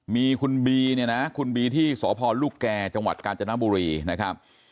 มีคุณบีเนี่ยนะคุณบีที่สพลูกแก่จังหวัดกาญจนบุรีนะครับ